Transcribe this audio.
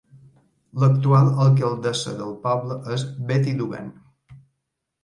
L'actual alcaldessa del poble és Betty Duggan.